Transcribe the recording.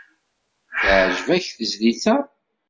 Teεǧeb-ak tezlit-a?